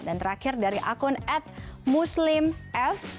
dan terakhir dari akun admuslimf